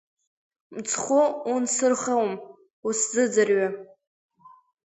Мцхәы унсырхом усзыӡырҩы.